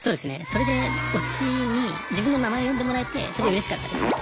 それで推しに自分の名前呼んでもらえてすごいうれしかったですね。